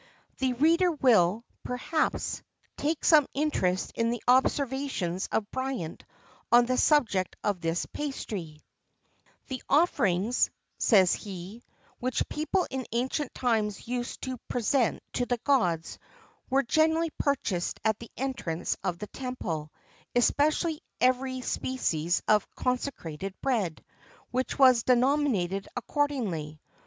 The reader will, perhaps, take some interest in the observations of Bryant on the subject of this pastry: "The offerings," says he, "which people in ancient times used to present to the gods were generally purchased at the entrance of the temple; especially every species of consecrated bread, which was denominated accordingly.